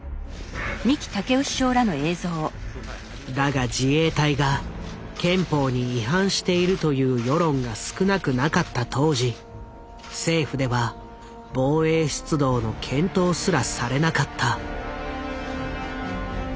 だが自衛隊が憲法に違反しているという世論が少なくなかった当時政府では防衛出動の検討すらされなかった。